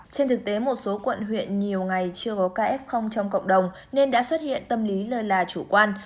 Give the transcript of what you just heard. trên thực tế một số quận huyện nhiều ngày chưa có caf trong cộng đồng nên đã xuất hiện tâm lý lơ là chủ quan